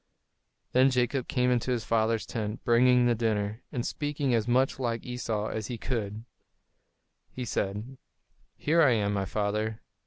Then Jacob came into his father's tent, bringing the dinner, and speaking as much like Esau as he could, he said: "Here I am, my father."